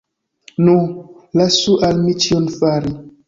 Nu, lasu al mi ĉion fari!